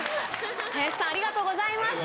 林さんありがとうございました。